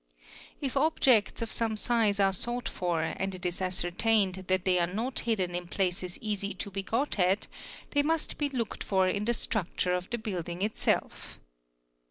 If objects of some size are sought for and it is ascertained that they are not hidden in places easy to be got at, they must be looked for in the structure of the building itself.